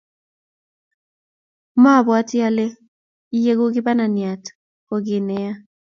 Mabwoti ale ieku kibananiat ko kiy neya